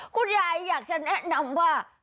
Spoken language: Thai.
คุณยายอยากจะแนะนำว่า